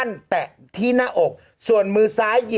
โอเคโอเคโอเคโอเคโอเค